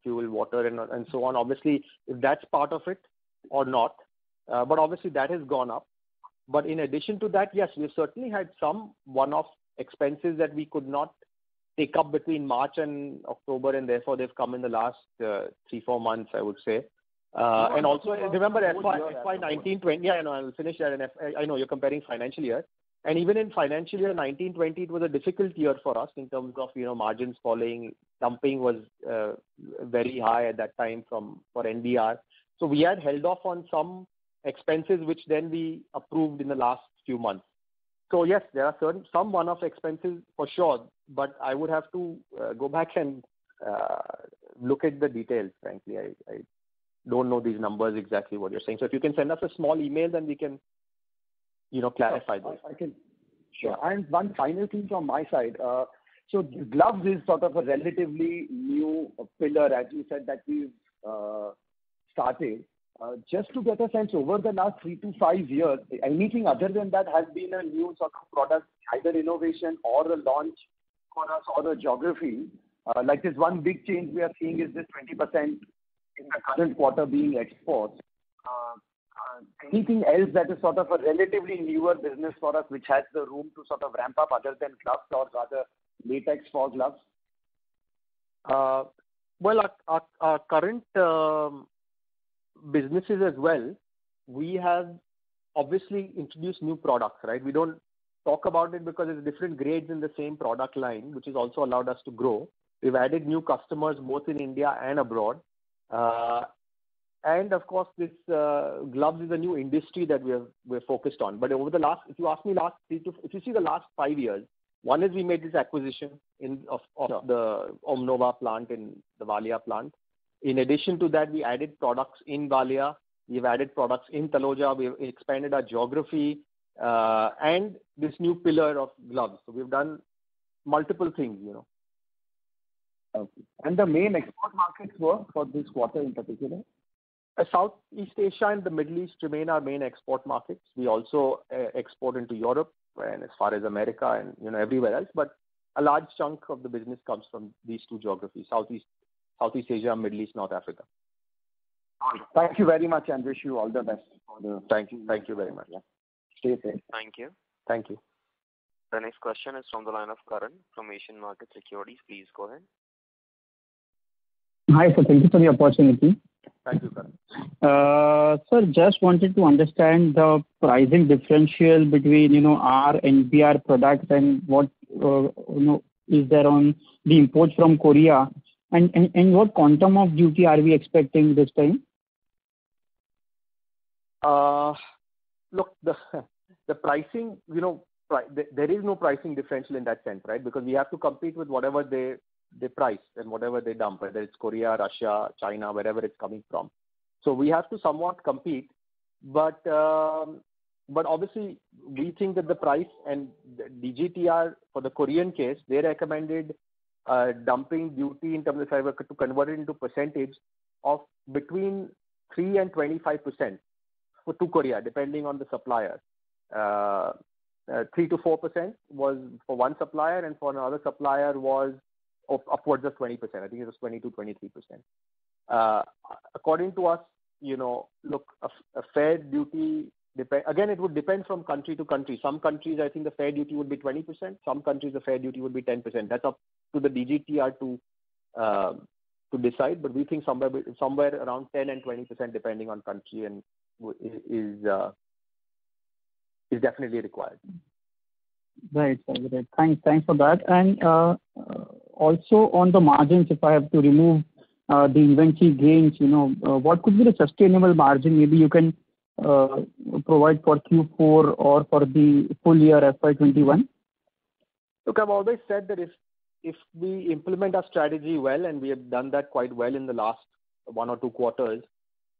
fuel, water, and so on, obviously, if that's part of it or not. Obviously that has gone up. In addition to that, yes, we certainly had some one-off expenses that we could not take up between March and October, and therefore they've come in the last three, four months, I would say. Also, remember FY 2019-2020. I know. I will finish there. I know you're comparing financial year. Even in financial year 2019-2020, it was a difficult year for us in terms of margins falling. Dumping was very high at that time for NBR. We had held off on some expenses, which then we approved in the last few months. Yes, there are some one-off expenses for sure, but I would have to go back and look at the details. Frankly, I don't know these numbers exactly what you're saying. If you can send us a small email, then we can clarify this. Sure. One final thing from my side. Gloves is sort of a relatively new pillar, as you said, that we've started. Just to get a sense, over the last three to five years, anything other than that has been a new sort of product, either innovation or a launch for us or a geography. This one big change we are seeing is this 20% in the current quarter being exports. Anything else that is sort of a relatively newer business for us, which has the room to sort of ramp up other than gloves or rather latex for gloves? Well, our current businesses as well, we have obviously introduced new products. We don't talk about it because it's different grades in the same product line, which has also allowed us to grow. We've added new customers both in India and abroad. Of course, this gloves is a new industry that we're focused on. If you see the last five years, one is we made this acquisition of the Omnova plant and the Valia plant. In addition to that, we added products in Valia, we've added products in Taloja. We have expanded our geography, and this new pillar of gloves. We've done multiple things. Okay. The main export markets were for this quarter in particular? Southeast Asia and the Middle East remain our main export markets. We also export into Europe and as far as America and everywhere else, but a large chunk of the business comes from these two geographies, Southeast Asia, Middle East, North Africa. Thank you very much, and wish you all the best for the. Thank you very much. Stay safe. Thank you. Thank you. The next question is from the line of Karan from Asian Markets Securities. Please go ahead. Hi, sir. Thank you for the opportunity. Thank you, Karan. Sir, just wanted to understand the pricing differential between our NBR product and what is there on the imports from Korea. What quantum of duty are we expecting this time? Look there is no pricing differential in that sense. Because we have to compete with whatever they price and whatever they dump, whether it's Korea, Russia, China, wherever it's coming from. We have to somewhat compete, but obviously we think that the price and DGTR for the Korean case, they recommended a dumping duty in terms of fiber to convert it into percentage of between 3% and 25% for to Korea, depending on the supplier. 3%-4% was for one supplier and for another supplier was upwards of 20%. I think it was 20%-23%. According to us, look, a fair duty. Again, it would depend from country to country. Some countries, I think the fair duty would be 20%, some countries, the fair duty would be 10%. That's up to the DGTR to decide, but we think somewhere around 10% and 20%, depending on country is definitely required. Right. Thanks for that. Also on the margins, if I have to remove the inventory gains, what could be the sustainable margin maybe you can provide for Q4 or for the full year FY 2021? Look, I've always said that if we implement our strategy well, and we have done that quite well in the last one or two quarters,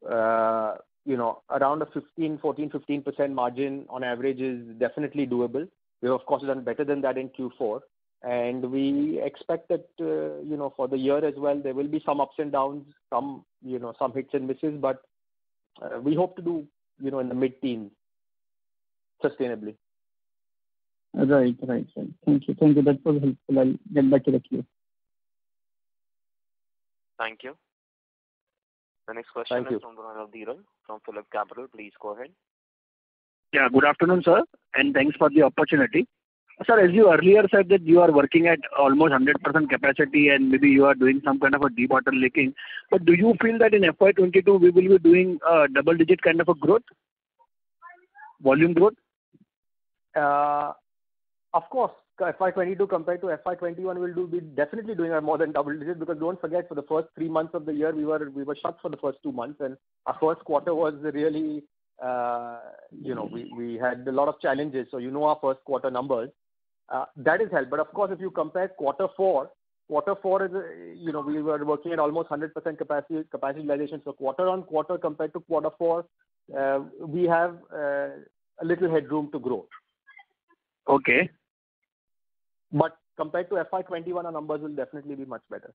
around a 14%, 15% margin on average is definitely doable. We of course have done better than that in Q4. We expect that for the year as well, there will be some ups and downs, some hits and misses, but we hope to do in the mid-teens, sustainably. Right. Thank you. That was helpful. I'll get back to the queue. Thank you. The next question. Thank you. is from the line of Dhiral from PhillipCapital. Please go ahead. Yeah, good afternoon, sir, and thanks for the opportunity. Sir, as you earlier said that you are working at almost 100% capacity, and maybe you are doing some kind of a debottlenecking. Do you feel that in FY 2022, we will be doing a double-digit kind of a growth? Volume growth? FY 2022 compared to FY 2021 we'll be definitely doing a more than double-digit don't forget, for the first three months of the year, we were shut for the first two months, and our first quarter was really We had a lot of challenges. You know our first quarter numbers. That has helped. Of course, if you compare quarter four, we were working at almost 100% capacity utilization. Quarter-on-quarter compared to quarter four, we have a little headroom to grow. Okay. Compared to FY 2021, our numbers will definitely be much better.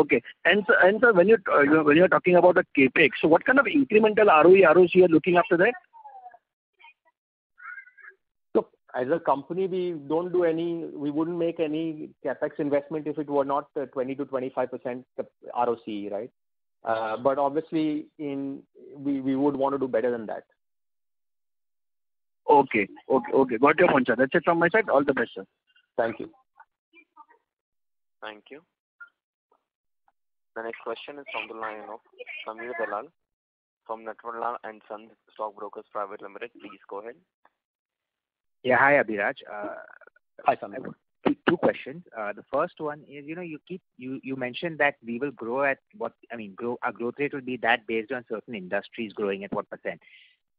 Okay. Sir, when you're talking about the CapEx, what kind of incremental ROE, ROC you are looking after that? Look, as a company, we wouldn't make any CapEx investment if it were not 20%-25% ROCE. Obviously, we would want to do better than that. Okay. Got your point, sir. That's it from my side. All the best, sir. Thank you. Thank you. The next question is from the line of Sameer Dalal from Natverlal & Sons Stockbrokers Private Limited. Please go ahead. Yeah. Hi, Abhiraj. Hi, Sameer. Two questions. The first one is, you mentioned that our growth rate will be that based on certain industries growing at what percent.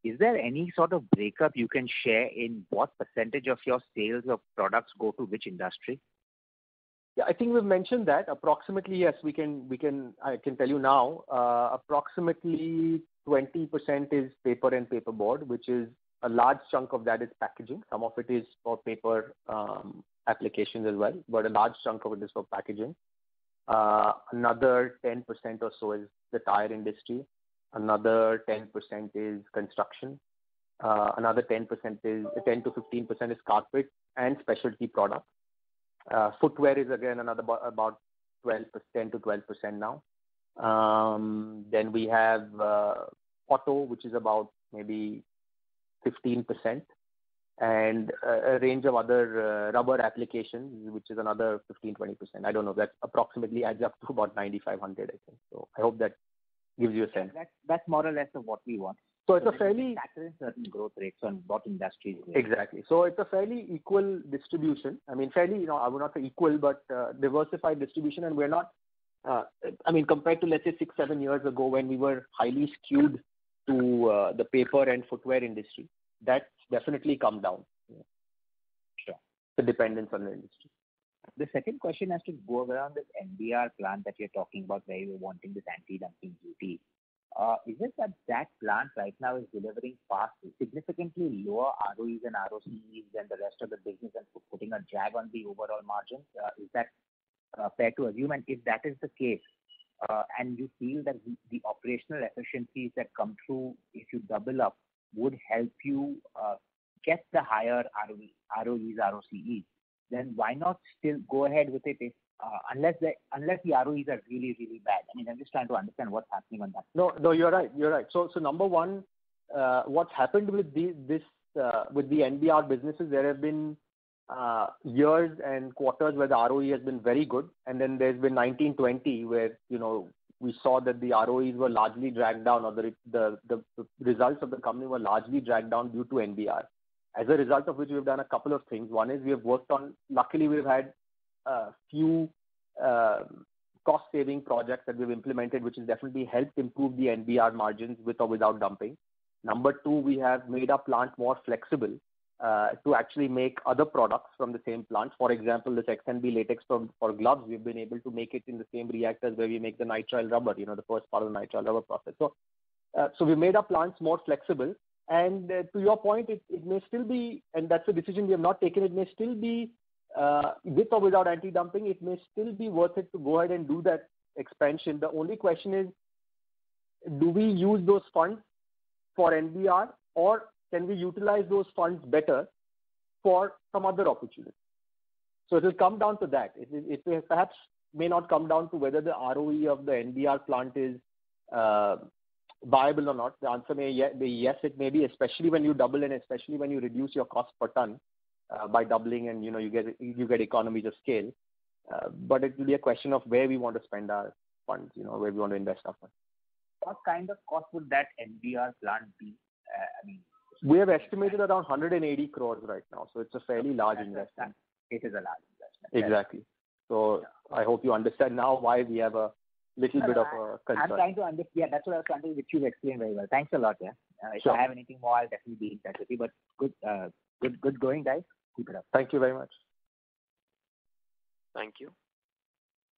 Is there any sort of breakup you can share in what percentage of your sales of products go to which industry? I think we've mentioned that. I can tell you now, approximately 20% is paper and paper board, which is a large chunk of that is packaging. Some of it is for paper applications as well, but a large chunk of it is for packaging. Another 10% or so is the tire industry. Another 10% is construction. Another 10%-15% is carpet and specialty product. Footwear is again another about 10%-12% now. We have auto, which is about maybe 15%, and a range of other rubber applications, which is another 15%, 20%. I don't know. That approximately adds up to about 9,500, I think. I hope that gives you a sense. That's more or less of what we want. So it's a fairly- Certain growth rates on both industries. Exactly. It's a fairly equal distribution. I mean, fairly, I would not say equal, but diversified distribution, and we're not Compared to, let's say, six, seven years ago, when we were highly skewed to the paper and footwear industry, that's definitely come down. Sure. The dependence on the industry. The second question has to go around this NBR plant that you're talking about, where you're wanting this anti-dumping duty. Is it that plant right now is delivering fast, significantly lower ROEs and ROCEs than the rest of the business and putting a drag on the overall margins? Is that fair to assume? If that is the case, and you feel that the operational efficiencies that come through if you double up would help you get the higher ROEs, ROCEs, then why not still go ahead with it, unless the ROEs are really, really bad? I'm just trying to understand what's happening on that. No, you're right. Number one, what's happened with the NBR businesses, there have been years and quarters where the ROE has been very good, and then there's been 2019-2020, where we saw that the ROEs were largely dragged down, or the results of the company were largely dragged down due to NBR. As a result of which, we've done a couple of things. One is Luckily, we've had a few cost-saving projects that we've implemented, which has definitely helped improve the NBR margins with or without dumping. Number two, we have made our plant more flexible to actually make other products from the same plant. For example, the XNB latex for gloves, we've been able to make it in the same reactors where we make the nitrile rubber, the first part of the nitrile rubber process. We've made our plants more flexible. To your point, and that's a decision we have not taken, with or without anti-dumping, it may still be worth it to go ahead and do that expansion. The only question is: do we use those funds for NBR or can we utilize those funds better for some other opportunity? It'll come down to that. It perhaps may not come down to whether the ROE of the NBR plant is viable or not. The answer may be yes, it may be, especially when you double and especially when you reduce your cost per ton by doubling and you get economies of scale. It will be a question of where we want to spend our funds, where we want to invest our funds. What kind of cost would that NBR plant be? We have estimated around 180 crores right now, so it's a fairly large investment. It is a large investment. Exactly. I hope you understand now why we have a little bit of a concern. Yeah, that's what I was trying to, which you've explained very well. Thanks a lot. Sure. If I have anything more, I'll definitely be in touch with you. Good going, guys. Keep it up. Thank you very much. Thank you.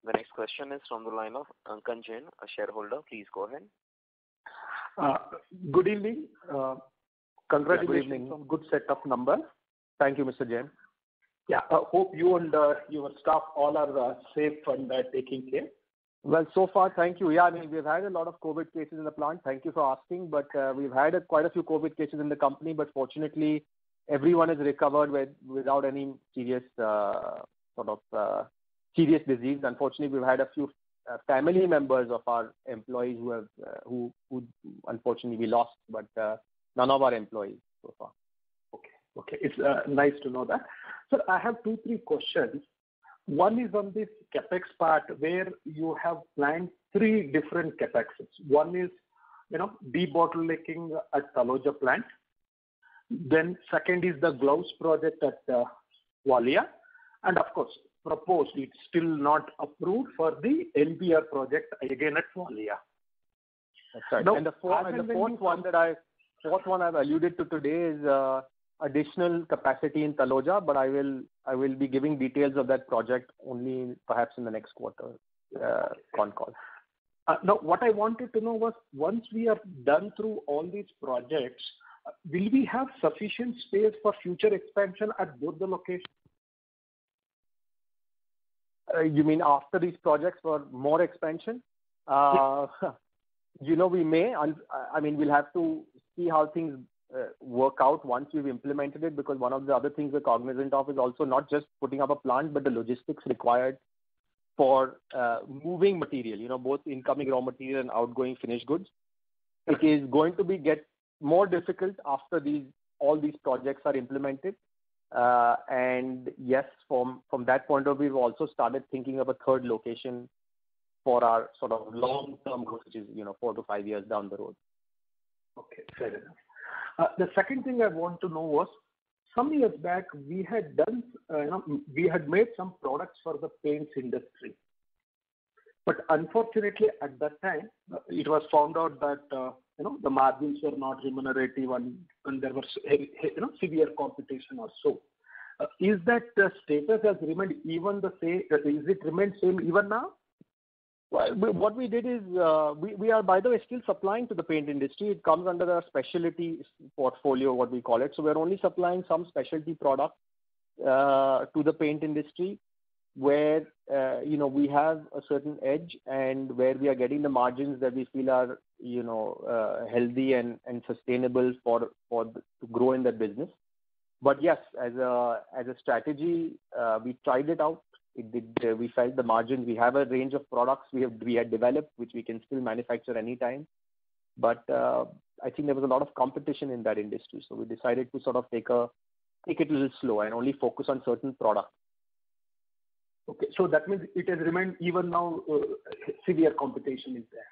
The next question is from the line of Ankan Jain, a shareholder. Please go ahead. Good evening. Good evening. Congratulations on good set of numbers. Thank you, Mr. Jain. Yeah. Hope you and your staff all are safe and are taking care. Well, so far, thank you. Yeah, we've had a lot of COVID cases in the plant. Thank you for asking, but we've had quite a few COVID cases in the company, but fortunately, everyone has recovered without any serious disease. Unfortunately, we've had a few family members of our employees who unfortunately we lost, but none of our employees so far. Okay. It is nice to know that. Sir, I have two, three questions. One is on this CapEx part where you have planned three different CapExes. One is de-bottlenecking at Taloja plant. Second is the gloves project at Valia. Of course, proposed, it is still not approved for the NBR project again at Valia. That's right. The fourth one I've alluded to today is additional capacity in Taloja, but I will be giving details of that project only perhaps in the next quarter con call. What I wanted to know was, once we are done through all these projects, will we have sufficient space for future expansion at both the locations? You mean after these projects for more expansion? Yes. We may. We'll have to see how things work out once we've implemented it, because one of the other things we're cognizant of is also not just putting up a plant, but the logistics required for moving material, both incoming raw material and outgoing finished goods. It is going to get more difficult after all these projects are implemented. Yes, from that point of view, we've also started thinking of a third location for our long-term growth, which is four to five years down the road. Okay, fair enough. The second thing I want to know was, some years back, we had made some products for the paints industry. Unfortunately, at that time, it was found out that the margins were not remunerative and there was severe competition also. Is it remained same even now? What we did is, we are by the way, still supplying to the paint industry. It comes under the specialty portfolio, what we call it. We're only supplying some specialty product to the paint industry where we have a certain edge and where we are getting the margins that we feel are healthy and sustainable to grow in that business. Yes, as a strategy, we tried it out. We felt the margin. We have a range of products we had developed, which we can still manufacture any time. I think there was a lot of competition in that industry, we decided to sort of take it a little slow and only focus on certain products. Okay. That means it has remained, even now, severe competition is there.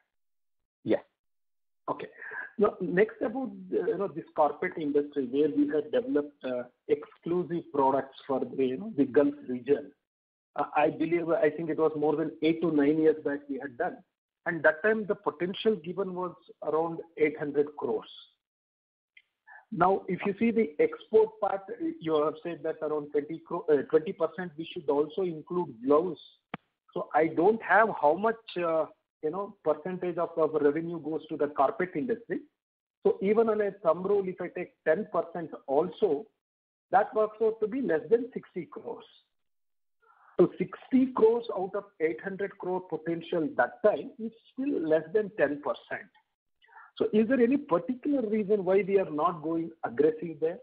Yes. Okay. Next about this carpet industry where we had developed exclusive products for the Gulf region. I think it was more than eight to nine years back we had done, that time the potential given was around 800 crores. If you see the export part, you have said that around 20%, we should also include gloves. I don't have how much percentage of our revenue goes to the carpet industry. Even on a thumb rule, if I take 10% also, that works out to be less than 60 crores. 60 crores out of 800 crore potential that time is still less than 10%. Is there any particular reason why we are not going aggressive there?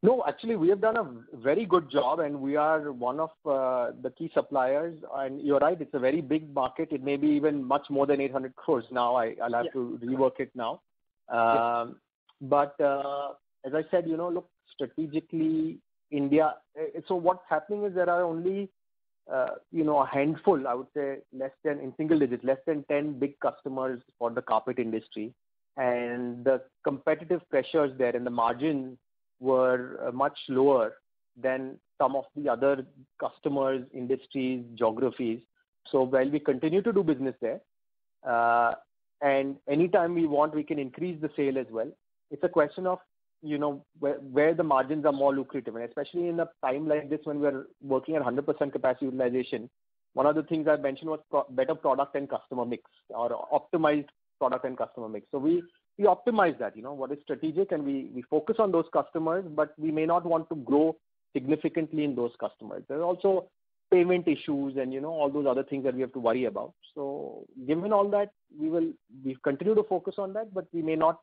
No, actually, we have done a very good job, and we are one of the key suppliers. You're right, it's a very big market. It may be even much more than 800 crores now. I'll have to rework it now. As I said, look, strategically, India. What's happening is there are only a handful, I would say less than in single digits, less than 10 big customers for the carpet industry. The competitive pressures there and the margin were much lower than some of the other customers, industries, geographies. While we continue to do business there, and anytime we want, we can increase the sale as well. It's a question of where the margins are more lucrative. Especially in a time like this when we are working at 100% capacity utilization, one of the things I mentioned was better product and customer mix or optimized product and customer mix. We optimize that. What is strategic, and we focus on those customers, but we may not want to grow significantly in those customers. There are also payment issues and all those other things that we have to worry about. Given all that, we've continued to focus on that, but we may not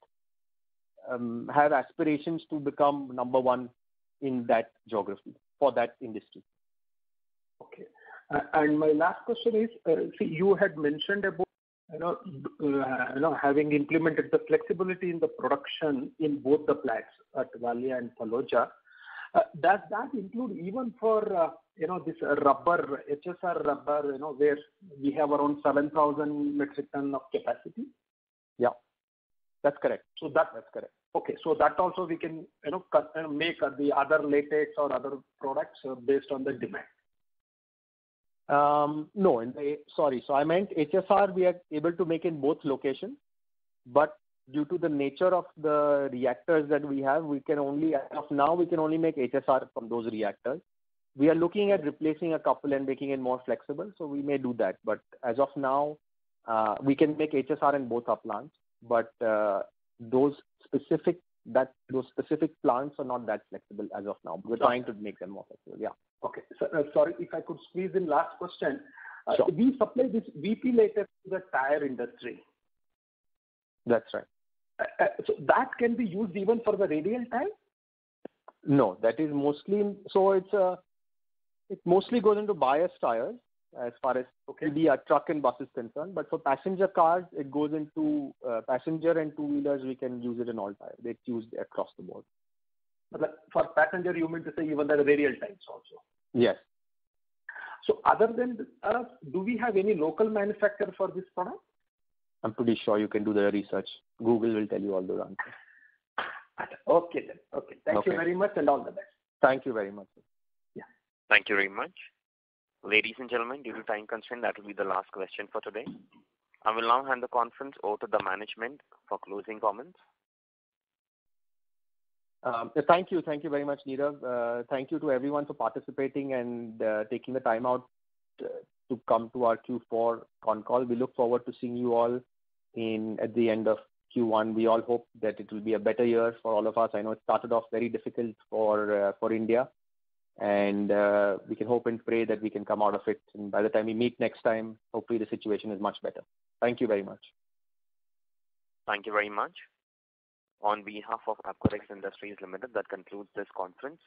have aspirations to become number one in that geography for that industry. Okay. My last question is, see, you had mentioned about having implemented the flexibility in the production in both the plants at Valia and Taloja. Does that include even for this HSR rubber, where we have around 7,000 metric tons of capacity? Yeah. That's correct. So that- That's correct. Okay. That also we can make the other latex or other products based on the demand. No. Sorry. I meant HSR, we are able to make in both locations, but due to the nature of the reactors that we have, as of now, we can only make HSR from those reactors. We are looking at replacing a couple and making it more flexible, so we may do that. As of now, we can make HSR in both our plants, but those specific plants are not that flexible as of now. We're trying to make them more flexible. Yeah. Okay. Sorry, if I could squeeze in last question. Sure. We supply this VP latex to the tire industry. That's right. That can be used even for the radial tire? No. It mostly goes into bias tires as far as India truck and bus is concerned. For passenger cars, it goes into passenger and two-wheelers, we can use it in all tires. They choose across the board. For passenger, you meant to say even the radial tires also? Yes. Other than us, do we have any local manufacturer for this product? I'm pretty sure you can do the research. Google will tell you all those answers. Okay then. Okay. Okay. Thank you very much, and all the best. Thank you very much. Yeah. Thank you very much. Ladies and gentlemen, due to time constraint, that will be the last question for today. I will now hand the conference over to the management for closing comments. Thank you. Thank you very much, Nirav. Thank you to everyone for participating and taking the time out to come to our Q4 con call. We look forward to seeing you all at the end of Q1. We all hope that it will be a better year for all of us. I know it started off very difficult for India. We can hope and pray that we can come out of it. By the time we meet next time, hopefully, the situation is much better. Thank you very much. Thank you very much. On behalf of Apcotex Industries Limited, that concludes this conference.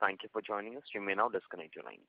Thank you for joining us. You may now disconnect your lines.